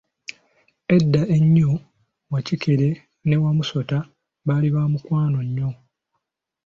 Edda ennyo, Wakikere ne Wamusota baali bamukwano nnyo.